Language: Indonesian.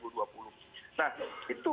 dua ribu dua puluh nah itu